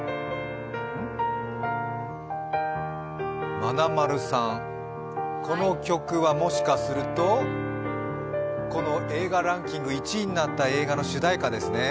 まなまるさん、この曲はもしかするとこの映画ランキング１位になった映画の主題歌ですね。